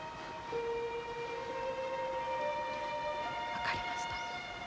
分かりました。